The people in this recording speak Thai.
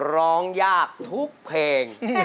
ร้องยากทุกเพลง